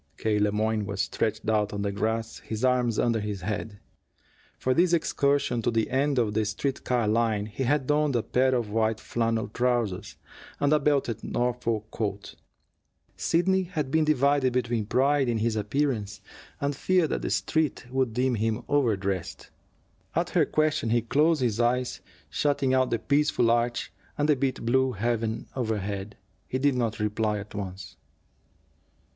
K. Le Moyne was stretched out on the grass, his arms under his head. For this excursion to the end of the street car line he had donned a pair of white flannel trousers and a belted Norfolk coat. Sidney had been divided between pride in his appearance and fear that the Street would deem him overdressed. At her question he closed his eyes, shutting out the peaceful arch and the bit of blue heaven overhead. He did not reply at once.